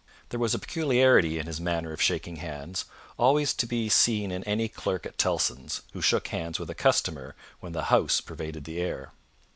There was a peculiarity in his manner of shaking hands, always to be seen in any clerk at Tellson's who shook hands with a customer when the House pervaded the air.